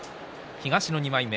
東の２枚目。